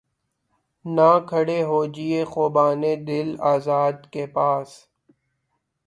نہ کھڑے ہوجیے خُوبانِ دل آزار کے پاس